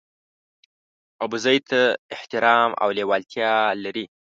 ابوزید ته احترام او لېوالتیا لري.